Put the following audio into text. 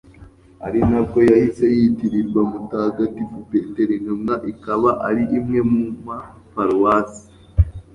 ari nabwo yahise yitirirwa mutagatifu petero intumwa ikaba ari imwe mu ma paruwasi